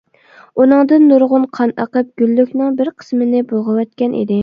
ئۇنىڭدىن نۇرغۇن قان ئېقىپ گۈللۈكنىڭ بىر قىسمىنى بۇلغىۋەتكەن ئىدى.